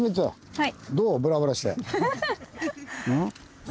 はい。